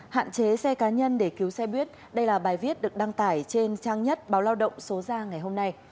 hạn chế xe cá nhân để cứu xe buýt đây là bài viết được đăng tải trên trang nhất báo lao động số ra ngày hôm nay